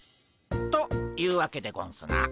というわけでゴンスな？